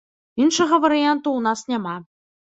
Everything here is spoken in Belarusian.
Іншага варыянту ў нас няма.